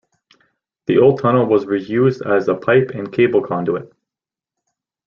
The old tunnel was re-used as a pipe and cable conduit.